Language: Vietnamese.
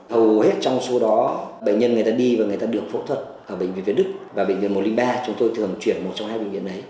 hầu hết trong số đó bệnh nhân người ta đi và người ta được phẫu thuật ở bệnh viện việt đức và bệnh viện một trăm linh ba chúng tôi thường chuyển một trong hai bệnh viện đấy